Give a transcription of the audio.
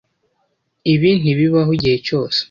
Ibi ntibibaho igihe cyose.